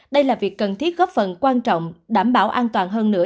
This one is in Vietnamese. đây là việc cần thiết góp phần quan trọng đảm bảo an toàn hơn nữa